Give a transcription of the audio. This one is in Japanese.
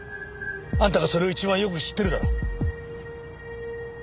あんたがそれを一番よく知ってるだろ。